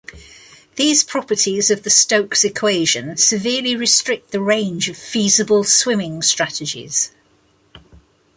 These properties of the Stokes equation severely restrict the range of feasible swimming strategies.